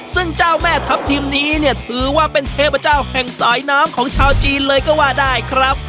ซึ่งเจ้าแม่ทัพทิมนี้เนี่ยถือว่าเป็นเทพเจ้าแห่งสายน้ำของชาวจีนเลยก็ว่าได้ครับ